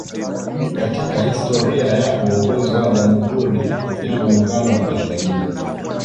Katika historia ya uongozi wa Jamhuri ya Muungano wa Tanzania